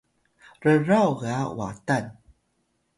rraw ga Watan